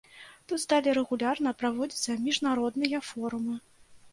Тут сталі рэгулярна праводзіцца міжнародныя форумы.